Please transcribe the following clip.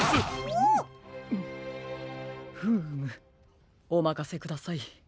フームおまかせください。